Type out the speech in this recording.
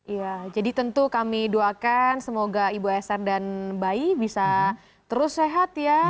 iya jadi tentu kami doakan semoga ibu esar dan bayi bisa terus sehat ya